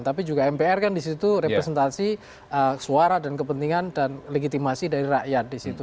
tapi juga mpr kan disitu representasi suara dan kepentingan dan legitimasi dari rakyat di situ